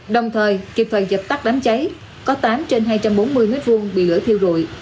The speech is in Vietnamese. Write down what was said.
đồng thời kịp thời dập tắt đám cháy có tám trên hai trăm bốn mươi m hai bị lửa thiêu rụi